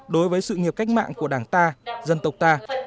đối với sự nghiệp cách mạng của đảng ta dân tộc ta